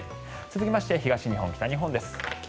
続きまして東日本、北日本です。